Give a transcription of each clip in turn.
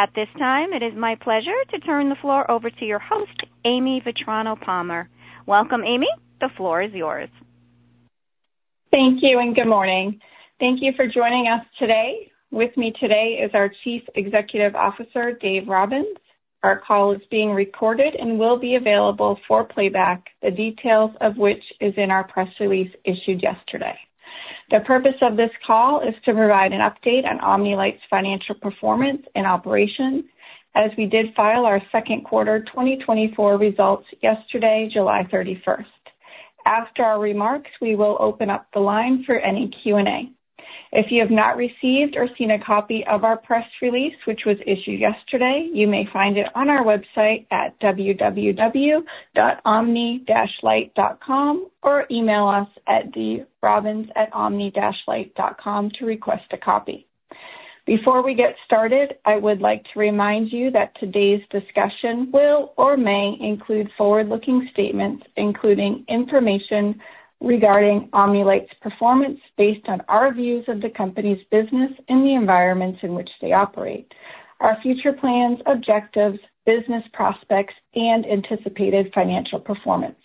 At this time, it is my pleasure to turn the floor over to your host, Aimey Vetrano Palmer. Welcome, Aimey. The floor is yours. Thank you and good morning. Thank you for joining us today. With me today is our Chief Executive Officer, Dave Robbins. Our call is being recorded and will be available for playback, the details of which is in our press release issued yesterday. The purpose of this call is to provide an update on Omni-Lite's financial performance and operations, as we did file our second quarter 2024 results yesterday, July 31. After our remarks, we will open up the line for any Q&A. If you have not received or seen a copy of our press release, which was issued yesterday, you may find it on our website at www.omni-lite.com, or email us at drobbins@omni-lite.com to request a copy. Before we get started, I would like to remind you that today's discussion will or may include forward-looking statements, including information regarding Omni-Lite's performance based on our views of the company's business and the environments in which they operate, our future plans, objectives, business prospects, and anticipated financial performance.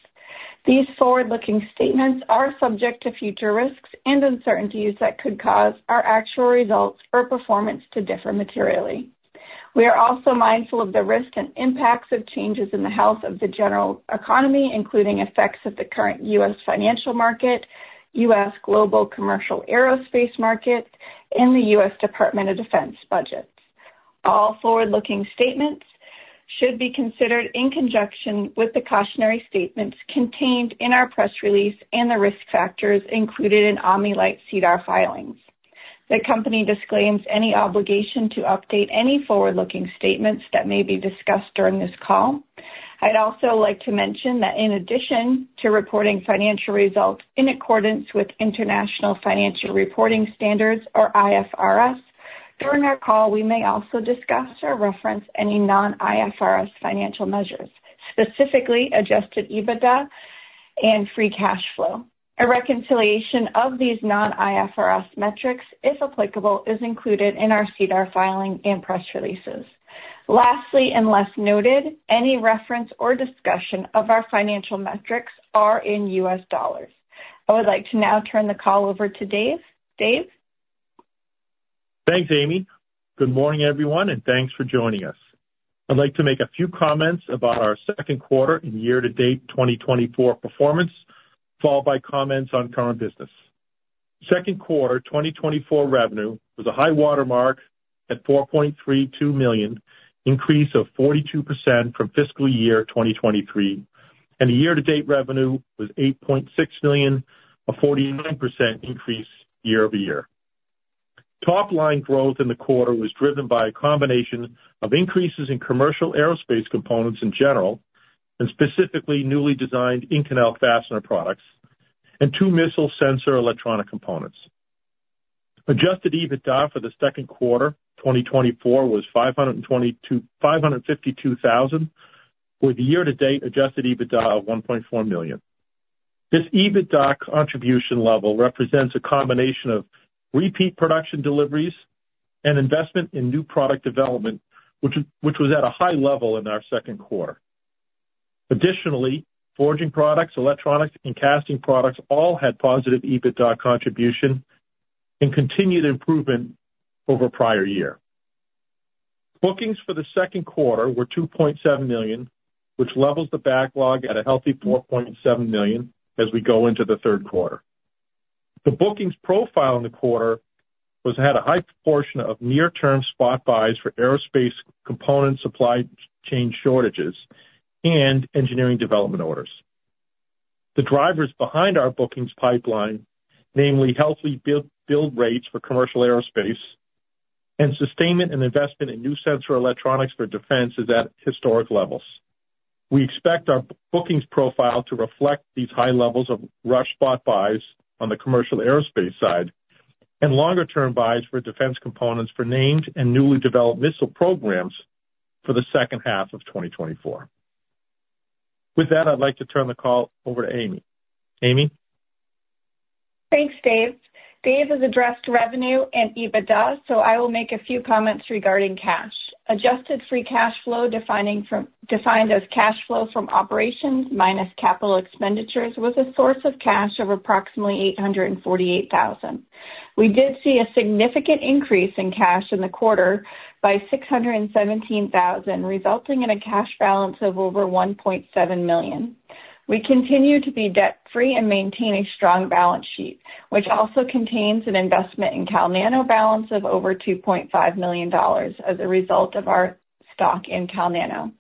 These forward-looking statements are subject to future risks and uncertainties that could cause our actual results or performance to differ materially. We are also mindful of the risks and impacts of changes in the health of the general economy, including effects of the current US financial market, US global commercial aerospace market, and the US Department of Defense budgets. All forward-looking statements should be considered in conjunction with the cautionary statements contained in our press release and the risk factors included in Omni-Lite SEDAR filings. The company disclaims any obligation to update any forward-looking statements that may be discussed during this call. I'd also like to mention that in addition to reporting financial results in accordance with International Financial Reporting Standards, or IFRS, during our call, we may also discuss or reference any non-IFRS financial measures, specifically adjusted EBITDA and free cash flow. A reconciliation of these non-IFRS metrics, if applicable, is included in our CSEDAR filing and press releases. Lastly, unless noted, any reference or discussion of our financial metrics are in US dollars. I would like to now turn the call over to Dave. Dave? Thanks, Aimey. Good morning, everyone, and thanks for joining us. I'd like to make a few comments about our second quarter and year-to-date 2024 performance, followed by comments on current business. Second quarter 2024 revenue was a high watermark at $4.32 million, 42% increase from fiscal year 2023, and the year-to-date revenue was $8.6 million, a 49% increase year-over-year. Top line growth in the quarter was driven by a combination of increases in commercial aerospace components in general, and specifically, newly designed Inconel fastener products and two missile sensor electronic components. Adjusted EBITDA for the second quarter 2024 was $552,000, with the year-to-date adjusted EBITDA of $1.4 million. This EBITDA contribution level represents a combination of repeat production deliveries and investment in new product development, which was at a high level in our second quarter. Additionally, forging products, electronics, and casting products all had positive EBITDA contribution and continued improvement over prior year. Bookings for the second quarter were $2.7 million, which levels the backlog at a healthy $4.7 million as we go into the third quarter. The bookings profile in the quarter had a high proportion of near-term spot buys for aerospace component supply chain shortages and engineering development orders. The drivers behind our bookings pipeline, namely healthy build rates for commercial aerospace and sustainment and investment in new sensor electronics for defense, is at historic levels. We expect our bookings profile to reflect these high levels of rush spot buys on the commercial aerospace side and longer-term buys for defense components for named and newly developed missile programs for the second half of 2024. With that, I'd like to turn the call over to Aimey. Aimey? Thanks, Dave. Dave has addressed revenue and EBITDA, so I will make a few comments regarding cash. Adjusted free cash flow, defined as cash flow from operations minus capital expenditures, was a source of cash of approximately $848,000. We did see a significant increase in cash in the quarter by $617,000, resulting in a cash balance of over $1.7 million. We continue to be debt-free and maintain a strong balance sheet, which also contains an investment in Cal Nano balance of over $2.5 million dollars as a result of our stock in Cal Nano.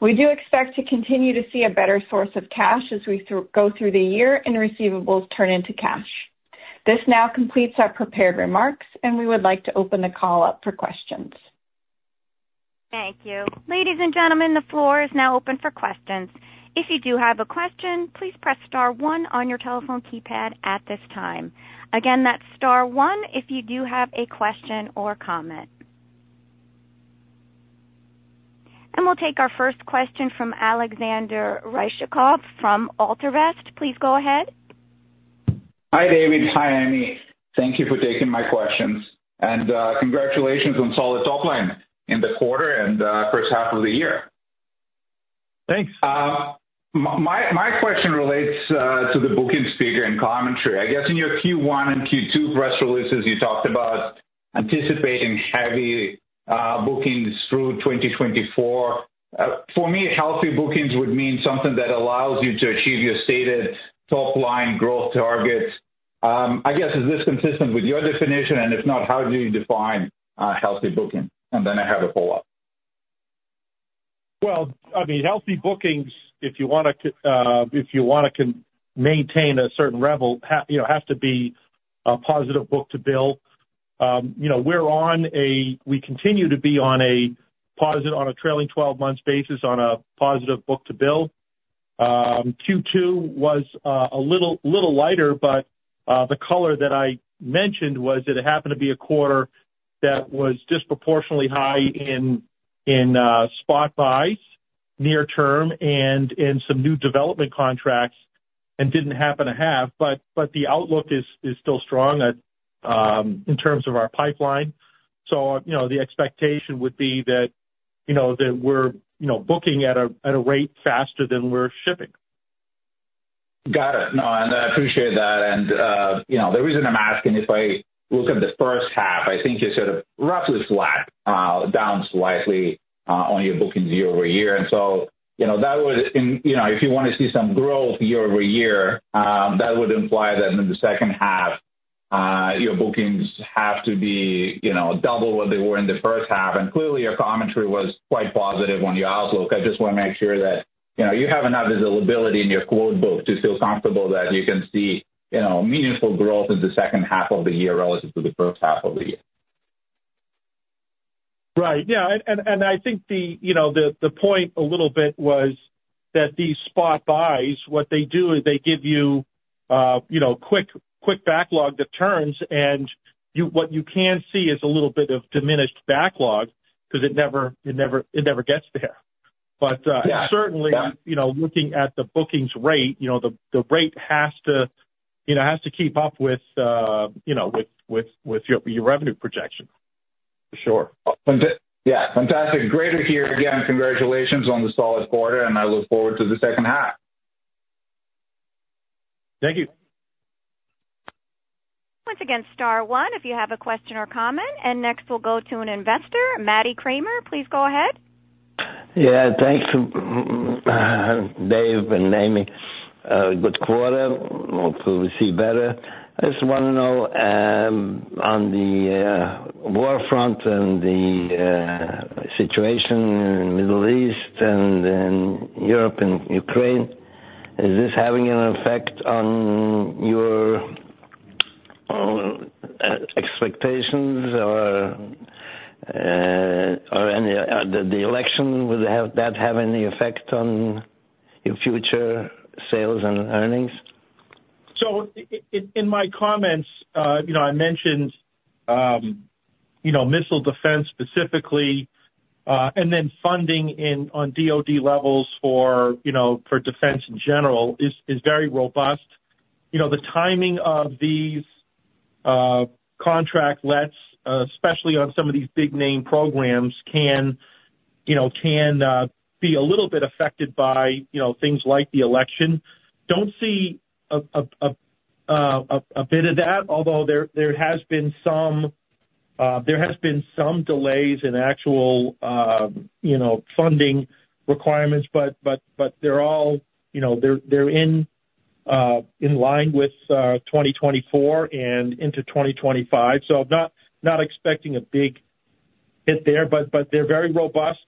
We do expect to continue to see a better source of cash as we go through the year and receivables turn into cash. This now completes our prepared remarks, and we would like to open the call up for questions. Thank you. Ladies and gentlemen, the floor is now open for questions. If you do have a question, please press star one on your telephone keypad at this time. Again, that's star one if you do have a question or comment... We'll take our first question from Alexander Ryzhikov from AlphaNorth Asset Management. Please go ahead. Hi, David. Hi, Aimey. Thank you for taking my questions, and, congratulations on solid top line in the quarter and, first half of the year. Thanks. My question relates to the bookings figure and commentary. I guess in your Q1 and Q2 press releases, you talked about anticipating heavy bookings through 2024. For me, healthy bookings would mean something that allows you to achieve your stated top line growth targets. I guess, is this consistent with your definition? And if not, how do you define healthy booking? And then I have a follow-up. Well, I mean, healthy bookings, if you wanna maintain a certain level, you know, have to be a positive book-to-bill. You know, we continue to be on a positive trailing 12-month basis, on a positive book-to-bill. Q2 was a little lighter, but the color that I mentioned was that it happened to be a quarter that was disproportionately high in spot buys near term and in some new development contracts, and didn't happen to have. But the outlook is still strong in terms of our pipeline. So, you know, the expectation would be that, you know, that we're booking at a rate faster than we're shipping. Got it. No, and I appreciate that. And, you know, the reason I'm asking, if I look at the first half, I think you're sort of roughly flat, down slightly, on your bookings year-over-year. And so, you know, that would, and, you know, if you wanna see some growth year-over-year, that would imply that in the second half, your bookings have to be, you know, double what they were in the first half. And clearly, your commentary was quite positive on your outlook. I just wanna make sure that, you know, you have enough visibility in your quote book to feel comfortable that you can see, you know, meaningful growth in the second half of the year relative to the first half of the year. Right. Yeah, and I think, you know, the point a little bit was that these spot buys, what they do is they give you, you know, quick backlog that turns, and what you can see is a little bit of diminished backlog because it never gets there. Yeah. But, certainly, you know, looking at the bookings rate, you know, the rate has to, you know, has to keep up with, you know, with your revenue projections. Sure. Yeah, fantastic. Great to hear again, congratulations on the solid quarter, and I look forward to the second half. Thank you. Once again, star one, if you have a question or comment. Next, we'll go to an investor, Maddie Kramer. Please go ahead. Yeah, thanks to Dave and Aimey. Good quarter. Hopefully, we see better. I just wanna know, on the war front and the situation in Middle East and in Europe and Ukraine, is this having an effect on your expectations or or any, the election, would have that, have any effect on your future sales and earnings? So in my comments, you know, I mentioned, you know, missile defense specifically, and then funding in on DoD levels for, you know, for defense in general is very robust. You know, the timing of these contract lets, especially on some of these big name programs, can, you know, can be a little bit affected by, you know, things like the election. Don't see a bit of that, although there has been some there has been some delays in actual, you know, funding requirements, but, but, but they're all, you know, they're in line with 2024 and into 2025. So, not expecting a big hit there, but they're very robust,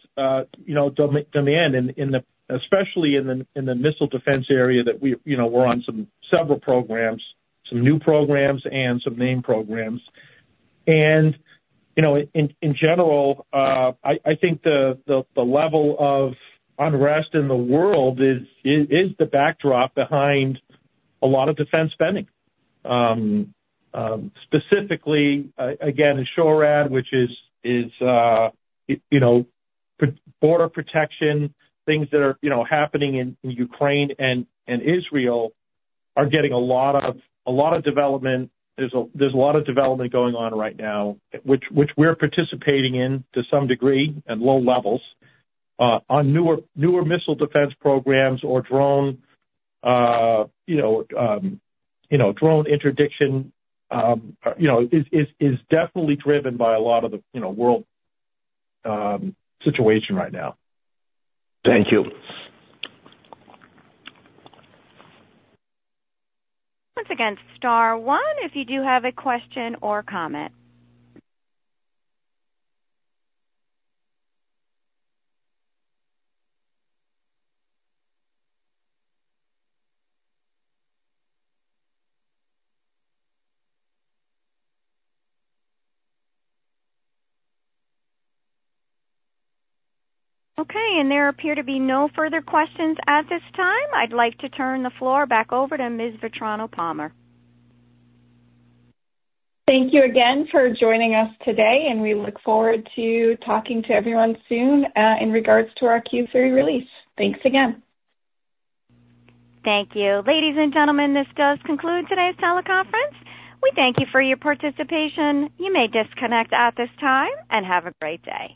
you know, demand in, especially in the missile defense area, that we, you know, we're on several programs, some new programs and some name programs. And, you know, in general, I think the level of unrest in the world is the backdrop behind a lot of defense spending. Specifically, again, in SHORAD, which is, you know, border protection, things that are happening in Ukraine and Israel are getting a lot of development. There's a lot of development going on right now, which we're participating in to some degree, at low levels, on newer missile defense programs or drone, you know, drone interdiction, you know, is definitely driven by a lot of the, you know, world situation right now. Thank you. Once again, star one if you do have a question or comment. Okay, and there appear to be no further questions at this time. I'd like to turn the floor back over to Ms. Vetrano Palmer. Thank you again for joining us today, and we look forward to talking to everyone soon, in regards to our Q3 release. Thanks again. Thank you. Ladies and gentlemen, this does conclude today's teleconference. We thank you for your participation. You may disconnect at this time, and have a great day.